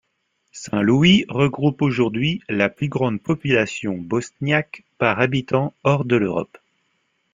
Saint-Louis regroupe aujourd'hui la plus grande population bosniaque par habitant hors de l'Europe.